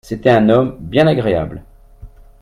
C'était un homme bien agréable